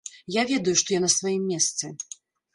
Я ведаю, што я на сваім месцы.